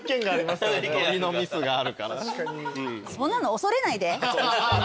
そんなの恐れないで！